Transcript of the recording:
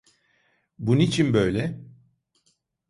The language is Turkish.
Bu niçin böyle?